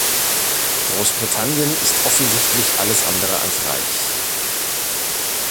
Großbritannien ist offensichtlich alles andere als reich.